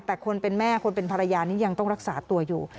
แต่คนเป็นแม่คนเป็นภรรยานี่ยังต้องรักษาตัวอยู่